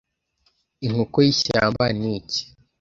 Inkoko y'ishyamba ni iki